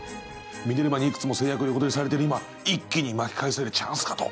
ミネルヴァにいくつも成約横取りされてる今一気に巻き返せるチャンスかと。